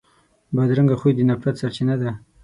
بدرنګه خوی د نفرت سرچینه ده